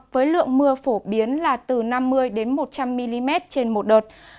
với lượng mưa phổ biến là từ năm mươi một trăm linh mm trên một đợt